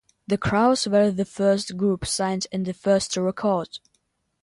The Crows were the first group signed and the first to record.